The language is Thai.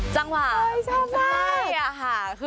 จังหวะชอบมาก